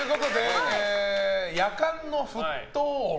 やかんの沸騰音。